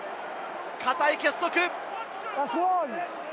堅い結束！